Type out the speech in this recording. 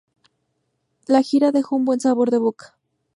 La gira dejó un buen sabor de boca.